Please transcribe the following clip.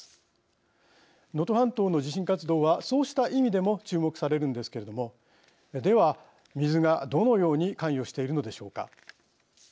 能登半島の地震活動はそうした意味でも注目されるんですけれどもでは水がどのように関与しているのでしょうか。